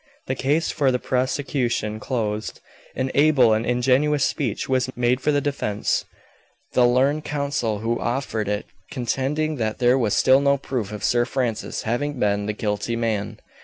The case for the prosecution closed. An able and ingenious speech was made for the defence, the learned counsel who offered it contending that there was still no proof of Sir Francis having been the guilty man.